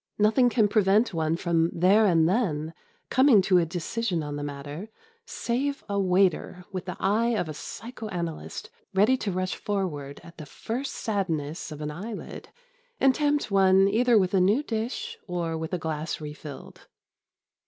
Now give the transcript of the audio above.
Nothing can prevent one from there and then coming to a decision on the matter save a waiter with the eye of a psychoanalyst ready to rush forward at the first sadness of an eyelid and tempt one either with a new dish or with a glass refilled.